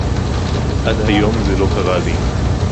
עד היום זה לא קרה לי